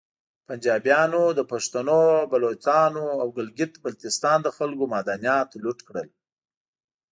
پنجابیانو د پختنو، بلوچانو او ګلګیت بلتیستان د خلکو معدنیات لوټ کړل